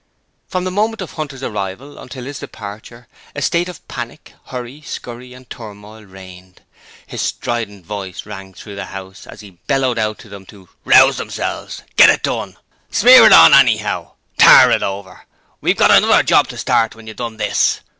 From the moment of Hunter's arrival until his departure, a state of panic, hurry, scurry and turmoil reigned. His strident voice rang through the house as he bellowed out to them to 'Rouse themselves! Get it done! Smear it on anyhow! Tar it over! We've got another job to start when you've done this!'